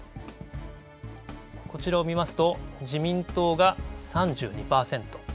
こちらを見ますと、自民党が３２％。